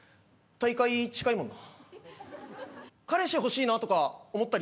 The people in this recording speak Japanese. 大会、近いもんな。